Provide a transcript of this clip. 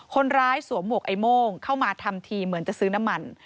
สวมหมวกไอ้โม่งเข้ามาทำทีเหมือนจะซื้อน้ำมัน